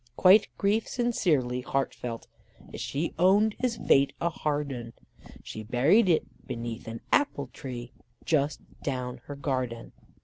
Quite grief sincerely heart felt as she owned his fate a hard'un, She buried it beneath an apple tree just down her garden.